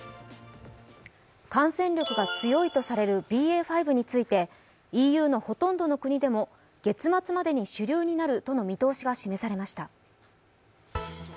感染力が強いとされるＢＡ．５についてＥＵのほとんどの国でも月末までに主流になるとの見通しが示されました。